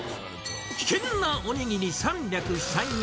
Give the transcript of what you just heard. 危険なおにぎり３０３円。